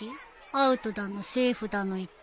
アウトだのセーフだの言って。